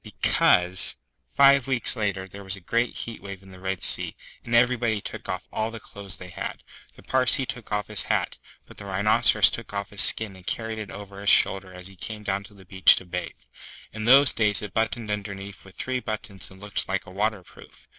Because, five weeks later, there was a heat wave in the Red Sea, and everybody took off all the clothes they had. The Parsee took off his hat; but the Rhinoceros took off his skin and carried it over his shoulder as he came down to the beach to bathe. In those days it buttoned underneath with three buttons and looked like a waterproof.